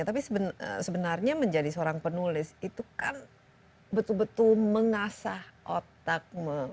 tapi sebenarnya menjadi seorang penulis itu kan betul betul mengasah otak